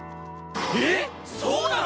えっそうなの⁉